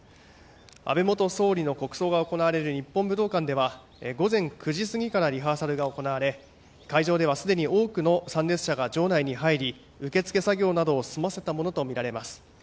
安倍元総理の国葬が行われる日本武道館では午前９時過ぎからリハーサルが行われ会場ではすでに多くの参列者が場内に入り受け付け作業などを済ませたものとみられます。